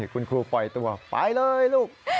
คุณครูปล่อยตัวไปเลยลูก